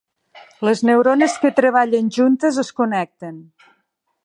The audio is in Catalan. Les neurones que treballen juntes, es connecten.